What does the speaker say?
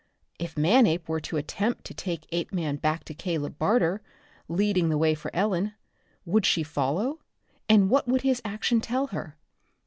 If Manape were to attempt to take Apeman back to Caleb Barter, leading the way for Ellen, would she follow, and what would his action tell her?